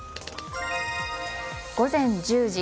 午前１０時。